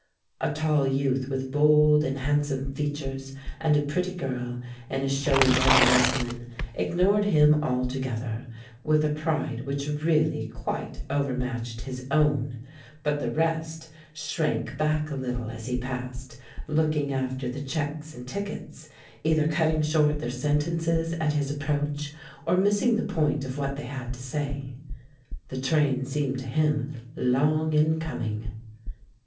A tall youth with bold and handsome features and a pretty girl in a showy red muslin ignored him altogether, with a pride which really quite overmatched his own; but the rest shrank back a little as he passed looking after the checks and tickets, either cutting short their sentences at his approach or missing the point of what they had to say. The train seemed to him long in coming.